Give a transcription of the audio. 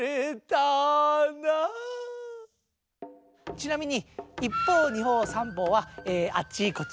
ちなみに一方二方三方はあっちこっち